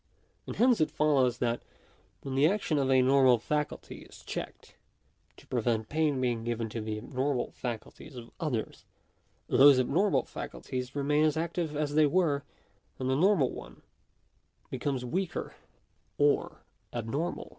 And hence it follows that when the action of a normal faculty is checked, to prevent pain being given to the abnormal facul ties of others, those abnormal faculties remain as active as they were, and the normal one becomes weaker or abnormal.